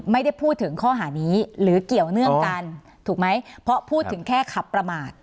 ไม่ได้พูดถึงข้อหานี้หรือเกี่ยวเนื่องกันถูกไหมเพราะพูดถึงแค่ขับประมาท